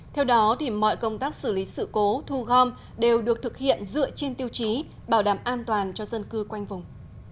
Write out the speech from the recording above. theo đó mọi công tác xử lý sự cố thu gom đều được thực hiện dựa trên tiêu chí bảo đảm an toàn cho dân cư quanh vùng